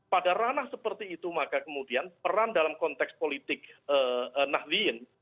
pada ranah seperti itu maka kemudian peran dalam konteks politik nahdlin